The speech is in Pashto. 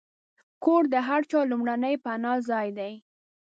کور د هر چا لومړنی پناهځای دی.